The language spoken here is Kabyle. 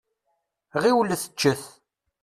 Ɣiwlet ččet.